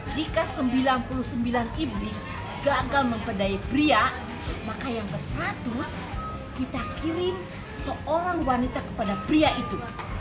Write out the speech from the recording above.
jika sembilan puluh sembilan iblis gagal memperdaya pria maka yang ke seratus kita kirim seorang wanita kepada pria itu